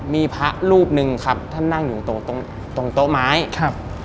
มีพระรูปหนึ่งครับท่านนั่งอยู่ตรงตรงโต๊ะไม้ครับ